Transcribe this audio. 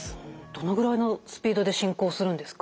どのぐらいのスピードで進行するんですか？